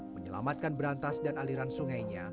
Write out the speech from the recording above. menyelamatkan berantas dan aliran sungainya